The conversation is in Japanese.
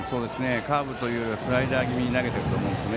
カーブというかスライダー気味に投げていると思います。